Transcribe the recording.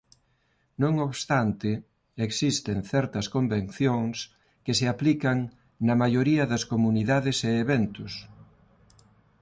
Non obstante existen certas convencións que se aplican na maioría das comunidades e eventos.